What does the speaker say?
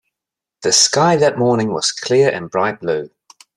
The sky that morning was clear and bright blue.